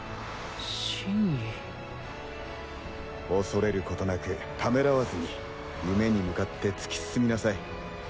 恐れることなくためらわずに夢に向かって突き進みなさい。